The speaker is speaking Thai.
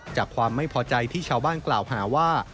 จากความไม่พอใจที่ชาวบ้านกล่าวหาว่า